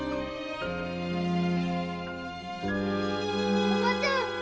〔おばちゃん！